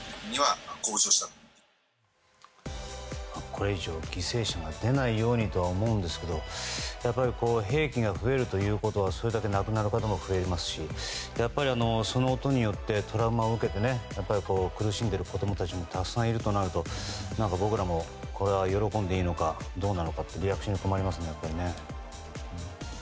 これ以上犠牲者が出ないようにとは思うんですけど兵器が増えるということはそれだけ亡くなる方も増えますしそのことによってトラウマを受けて苦しんでいる子供たちもたくさんいるとなると僕らもこれは喜んでいいのかどうなのかとリアクションに困りますね。